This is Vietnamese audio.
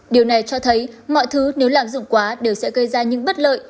điều này cho thấy mọi thứ nếu lạm dụng quá đều sẽ gây ra những bất lợi